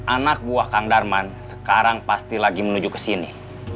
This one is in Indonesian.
anak buah kang darman sekarang pasti lagi menuju kesini